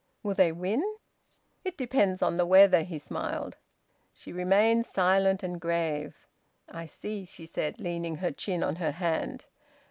Will they win?" "It depends on the weather." He smiled. She remained silent, and grave. "I see!" she said, leaning her chin on her hand.